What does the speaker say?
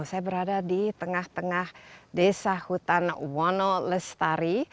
saya berada di tengah tengah desa hutan wono lestari